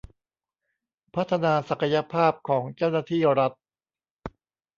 พัฒนาศักยภาพของเจ้าหน้าที่รัฐ